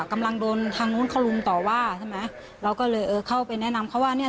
กำลังโดนทางนู้นเขาลุมต่อว่าใช่ไหมเราก็เลยเออเข้าไปแนะนำเขาว่าเนี้ย